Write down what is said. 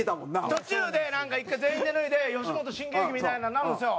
「途中でなんか１回全員で脱いで吉本新喜劇みたいになるんですよ」。